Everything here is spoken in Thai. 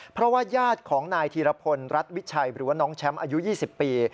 เพราะว่าญาติของนายธีรพลรัฐวิชัยหรือว่าน้องแชมป์อายุ๒๐ปี